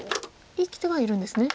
生きてはいるんですね？